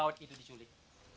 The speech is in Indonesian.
kalau dia berawat itu diculik